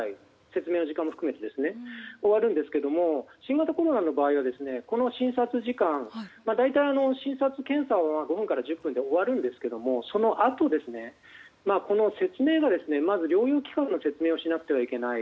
説明の時間も含めてそれぐらいで終わるんですけども新型コロナの場合はこの診察時間大体、診察・検査は５分から１０分で終わるんですけど、そのあとこの説明がまず療養期間の説明をしなければいけない